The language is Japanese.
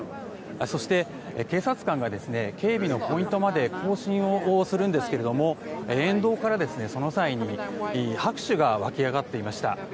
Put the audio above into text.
そして、警察官が警備のポイントまで行進をするんですけれども沿道からその際に拍手が沸き上がっていました。